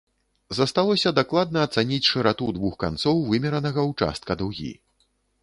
Засталося дакладна ацаніць шырату двух канцоў вымеранага ўчастка дугі.